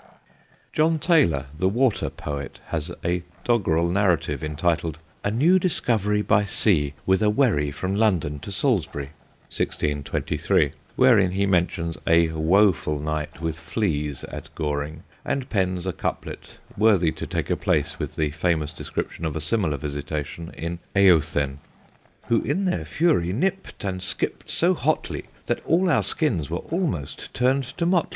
John Taylor, the water poet, has a doggerel narrative entitled "A New Discovery by Sea with a Wherry from London to Salisbury," 1623, wherein he mentions a woful night with fleas at Goring, and pens a couplet worthy to take a place with the famous description of a similar visitation in Eothen: Who in their fury nip'd and skip'd so hotly, That all our skins were almost turned to motley.